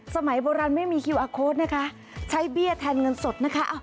สมัยโบราณไม่มีคิวอาร์โค้ดนะคะใช้เบี้ยแทนเงินสดนะคะ